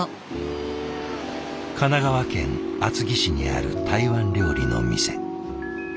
神奈川県厚木市にある台湾料理の店。